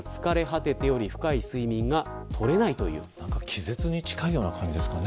気絶に近いような感じがしますね。